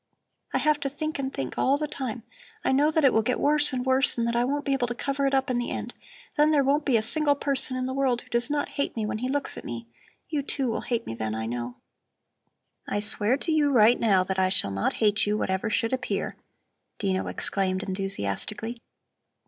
I have to think and think all the time. I know that it will get worse and worse and that I won't be able to cover it up in the end. Then there won't be a single person in the world who does not hate me when he looks at me. You, too, will hate me then, I know." "I swear to you right now that I shall not hate you, whatever should appear," Dino exclaimed enthusiastically.